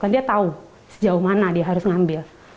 dia tahu sejauh mana dia harus ngambil